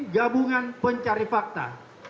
gabungan pencari fakta